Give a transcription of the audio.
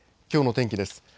きょうの天気です。